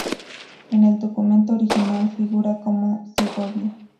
En el documento original figura como Segovia.